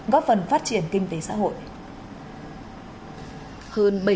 góp phần phát triển kinh tế xã hội